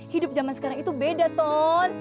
hidup zaman sekarang itu beda ton